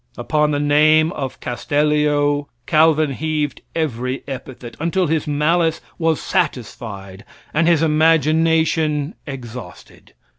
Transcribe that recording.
Upon the name of Castellio, Calvin heaved every epithet, until his malice was satisfied and his imagination exhausted.